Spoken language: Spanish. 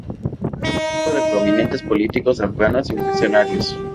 Hijo de prominentes políticos afganos y funcionarios.